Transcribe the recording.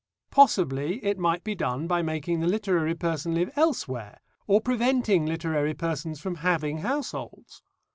Possibly it might be done by making the literary person live elsewhere or preventing literary persons from having households.